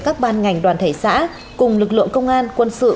các ban ngành đoàn thể xã cùng lực lượng công an quân sự